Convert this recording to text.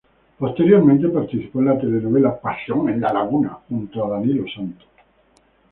Posteriormente participó en la telenovela "Pasión en la Laguna" junto a Danilo Santos.